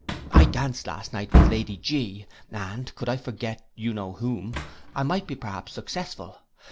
I danced last night with Lady G , and could I forget you know whom, I might be perhaps successful.